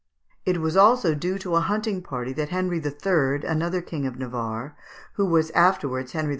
It was also due to a hunting party that Henry III., another King of Navarre, who was afterwards Henry IV.